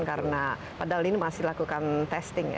karena padahal ini masih lakukan testing ya